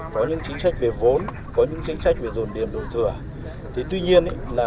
có những chính sách về vốn có những chính sách về dồn điểm đổi dừa